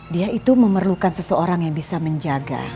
dia itu memerlukan seseorang yang bisa menjaga